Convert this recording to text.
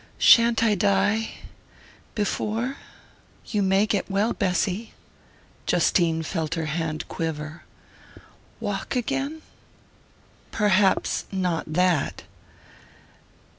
Shan't I die...before?" "You may get well, Bessy." Justine felt her hand quiver. "Walk again...?" "Perhaps...not that."